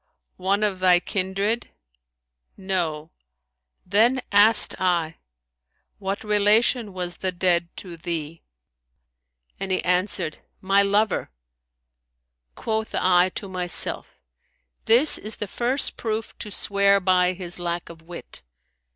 "One of thy kindred?' No!' Then asked I, What relation was the dead to thee?'; and he answered, My lover.' Quoth I to myself, This is the first proof to swear by his lack of wit.'